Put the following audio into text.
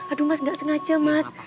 aduh mas gak sengaja mas